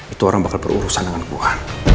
itu orang bakal berurusan dengan keluar